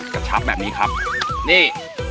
กระชับแบบนี้ครับนี่